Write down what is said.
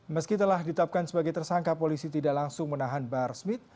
meski telah ditapkan sebagai tersangka polisi tidak langsung menahan bahar smith